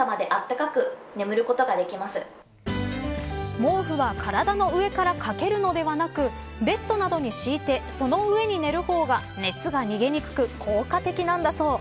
毛布は体の上から掛けるのではなくベッドなどに敷いてその上に寝る方が熱が逃げにくく効果的なんだそう。